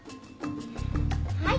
はい。